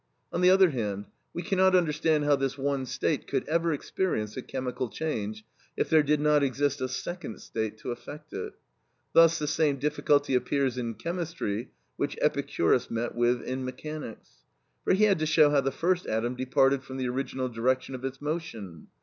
On the other hand, we cannot understand how this one state could ever experience a chemical change, if there did not exist a second state to affect it. Thus the same difficulty appears in chemistry which Epicurus met with in mechanics. For he had to show how the first atom departed from the original direction of its motion.